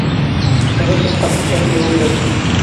Бөгөн бутҡа бик тәмле булды!